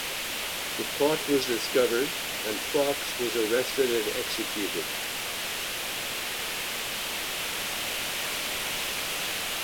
The plot was discovered, and Fawkes was arrested and executed.